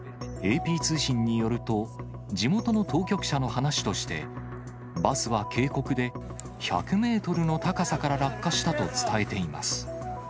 ＡＰ通信によると、地元の当局者の話として、バスは渓谷で１００メートルの高さから落下したと伝えています。